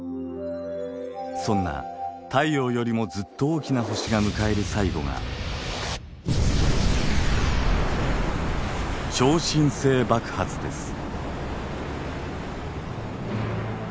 そんな太陽よりもずっと大きな星が迎える最後が超新星爆発です。